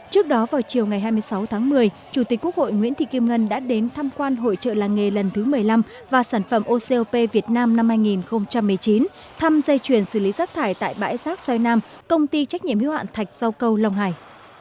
trước đó vào chiều ngày hai mươi sáu tháng một mươi chủ tịch quốc hội nguyễn thị kim ngân đã đến thăm quan hội trợ làng nghề lần thứ một mươi năm và sản phẩm ocop việt nam năm hai nghìn một mươi chín thăm dây chuyển xử lý rác thải tại bãi rác xoay nam công ty trách nhiệm hiếu hạn thạch dâu câu long hải